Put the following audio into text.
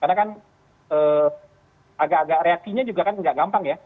karena kan agak agak reaksinya juga kan tidak gampang ya